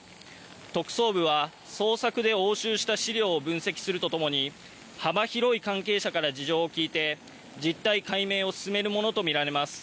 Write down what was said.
特捜部は捜索で押収した資料を分析するとともに幅広い関係者から事情を聴いて実態解明を進めるものと見られます。